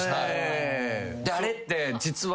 あれって実は。